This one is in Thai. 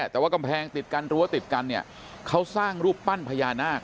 แต่ว่ากำแพงติดกันรั้วติดกันเนี่ยเขาสร้างรูปปั้นพญานาค